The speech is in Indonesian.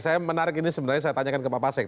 saya menarik ini sebenarnya saya tanyakan ke pak pasek